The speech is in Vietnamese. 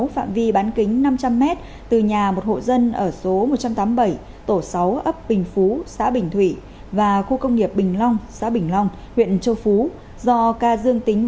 phạm vi bán kính năm trăm linh m từ nhà một hộ dân ở số một trăm tám mươi bảy tổ sáu ấp bình phú xã bình thủy và khu công nghiệp bình long xã bình long huyện châu phú do ca dương tính với sars cov hai làm việc tại khu công nghiệp bình long